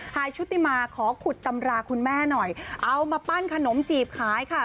ชุติมาขอขุดตำราคุณแม่หน่อยเอามาปั้นขนมจีบขายค่ะ